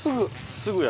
すぐや。